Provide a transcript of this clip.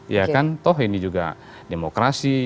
ya kan toh ini juga demokrasi